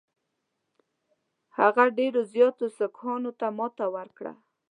هغه ډېرو زیاتو سیکهانو ته ماته ورکړه.